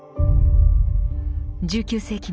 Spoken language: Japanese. １９世紀末